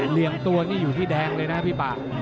เหลี่ยมตัวนี่อยู่ที่แดงเลยนะพี่ป่า